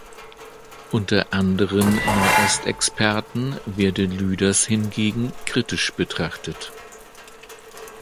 Unter anderen Nahost-Experten werde Lüders hingegen kritisch betrachtet.